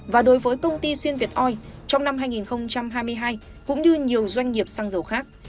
và đối với công ty xuyên việt oi trong năm hai nghìn hai mươi hai cũng như nhiều doanh nghiệp xăng dầu khác